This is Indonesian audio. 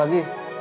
ya gak jauh